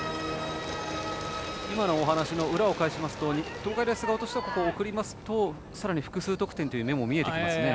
今のお話の裏を返しますと東海大菅生としてはここで送りますとさらに複数得点という芽も見えますね。